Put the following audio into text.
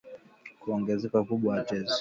Kuongezeka ukubwa kwa tezi